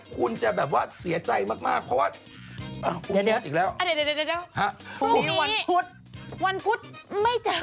คุณจะแบบว่าเสียใจมากเพราะว่า